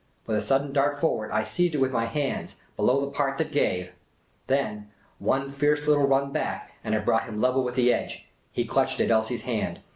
With a sudden dart forward, I seized it with my hands, below the part that gave ; then — one fierce little run back — and I brought him level with the edge. He clutched at Elsie's hand.